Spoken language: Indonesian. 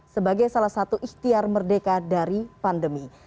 sebagai salah satu ikhtiar merdeka dari pandemi